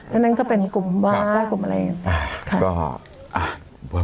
แล้วนั่นก็เป็นกลุ่มบ้ากลุ่มอะไรอย่างนี้